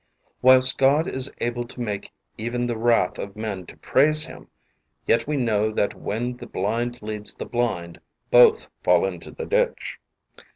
Whilst God is able to make even the wrath of men to praise him, yet we know that when the blind leads the blind, both fall into the ditch.